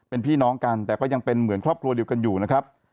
เป็นพี่น้องกันแต่ก็ยังเป็นเหมือนครอบครัวเดียวกันอยู่นะครับ